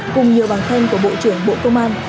cùng nhiều bằng khen của bộ trưởng bộ công an